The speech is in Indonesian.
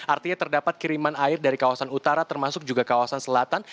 artinya terdapat kiriman air dari kawasan utara termasuk juga kawasan selatan